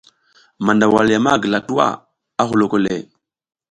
Mandawal ya ma gila tuwa, a huloko le.